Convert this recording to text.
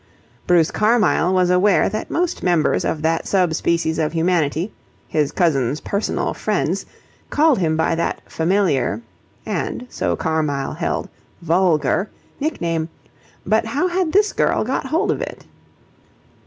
Bruce Carmyle was aware that most members of that sub species of humanity, his cousin's personal friends, called him by that familiar and, so Carmyle held, vulgar nickname: but how had this girl got hold of it?